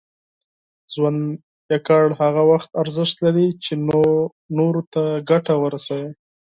ژوند یوازې هغه وخت ارزښت لري، چې نور ته ګټه ورسوي.